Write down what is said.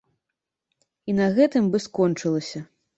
І на гэтым бы скончылася.